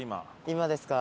今ですか？